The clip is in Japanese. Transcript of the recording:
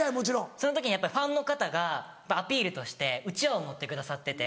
その時にやっぱファンの方がアピールとしてうちわを持ってくださってて。